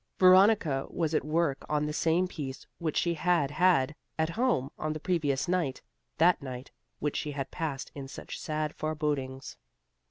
Veronica was at work on the same piece which she had had at home on the previous night, that night which she had passed in such sad forbodings.